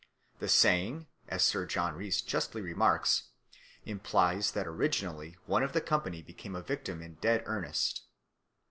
The saying, as Sir John Rhys justly remarks, implies that originally one of the company became a victim in dead earnest.